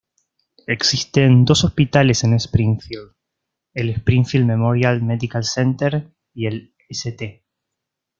Existen dos hospitales en Springfield, el Springfield Memorial Medical Center y el St.